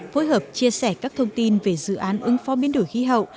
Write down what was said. phối hợp chia sẻ các thông tin về dự án ứng phó biến đổi khí hậu